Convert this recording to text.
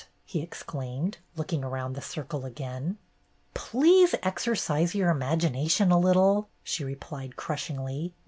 he exclaimed, looking around the circle again. "Please exercise your imagination a little," she replied crushingly.